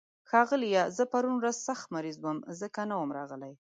ښاغليه، زه پرون ورځ سخت مريض وم، ځکه نه وم راغلی.